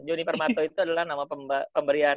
juni permato itu adalah nama pemberian